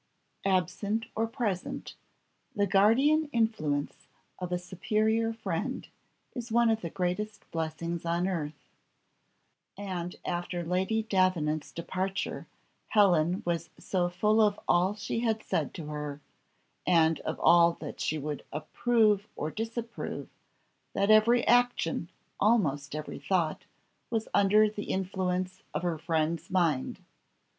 Absent or present, the guardian influence of a superior friend is one of the greatest blessings on earth, and after Lady Davenant's departure Helen was so full of all she had said to her, and of all that she would approve or disapprove, that every action, almost every thought, was under the influence of her friend's mind.